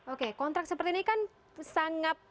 oke kontrak seperti ini kan sangat